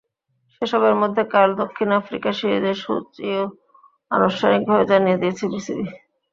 সেসবের মধ্যে কাল দক্ষিণ আফ্রিকা সিরিজের সূচিও আনুষ্ঠানিকভাবে জানিয়ে দিয়েছে বিসিবি।